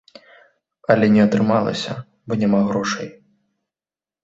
Але не атрымалася, бо няма грошай.